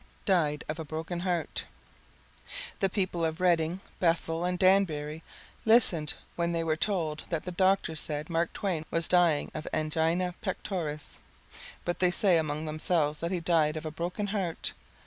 Died of a Broken Heart The people of Redding, Bethel, and Danbury listened when they were told that the doctors said Mark Twain was dying of angina pectoris. But they say among themselves that he died of a broken heart.